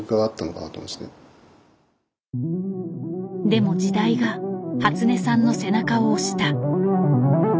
でも時代が初音さんの背中を押した。